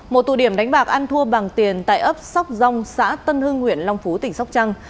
một tụ điểm đánh bạc ăn thua bằng tiền tại ấp sóc dông xã tân hưng huyện long phú tỉnh sóc trăng